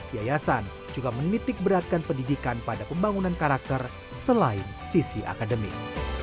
yayasan juga menitik beratkan pendidikan pada pembangunan karakter selain sisi akademik